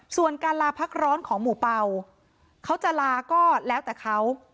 ส่วนการลาพักร้อนของหมู่เป่าเขาจะลาก็แล้วแต่เขา